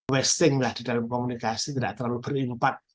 wasting lah di dalam komunikasi tidak terlalu berimpak